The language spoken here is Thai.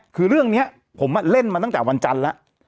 คือเรื่องนี้ผมเล่นมาตั้งแต่วันจันทร์แล้ว